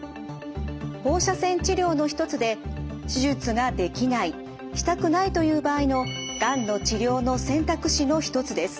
放射線治療の一つで手術ができないしたくないという場合のがんの治療の選択肢の一つです。